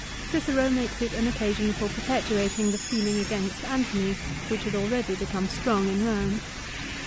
Cicero makes it an occasion for perpetuating the feeling against Antony which had already become strong in Rome.